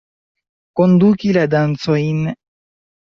Konduki la dancojn.